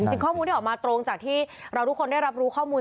จริงข้อมูลที่ออกมาตรงจากที่เราทุกคนได้รับรู้ข้อมูล